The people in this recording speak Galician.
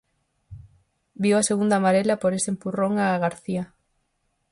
Viu a segunda amarela por este empurrón a García.